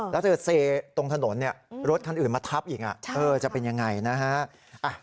แล้วเธอเซตรงถนนรถคันอื่นมาทับอีกจะเป็นยังไงนะฮะ